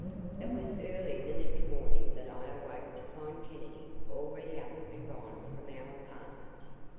It was early the next morning that I awoke to find Kennedy already up and gone from our apartment.